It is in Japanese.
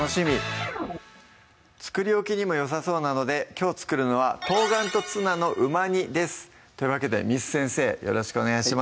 作り置きにもよさそうなのできょう作るのは「冬瓜とツナのうま煮」ですというわけで簾先生よろしくお願いします